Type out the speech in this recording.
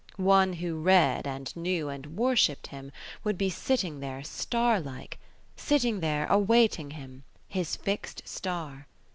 One who read and knew and worshipped him would be sitting there star like: sitting there, awaiting him, his fixed star.